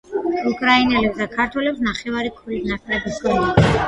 უკრაინელებს და ქართველებს ნახევარი ქულით ნაკლები ჰქონდათ.